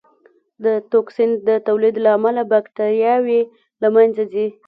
د ټوکسین د تولید له امله بکټریاوې له منځه ځي.